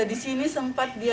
di sini sempat dia